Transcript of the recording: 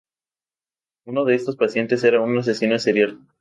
Uno de estos pacientes, era un asesino serial.